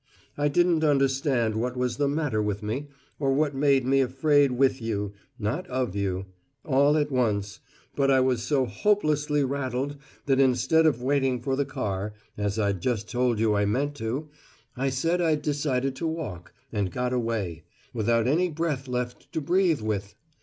I didn't understand what was the matter with me or what had made me afraid with you not of you all at once, but I was so hopelessly rattled that instead of waiting for the car, as I'd just told you I meant to, I said I'd decided to walk, and got away without any breath left to breathe with!